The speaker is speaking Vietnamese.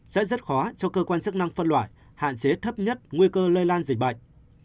sẽ rất khó cho cơ quan chức năng phân loại hạn chế thấp nhất nguy cơ lây lan dịch bệnh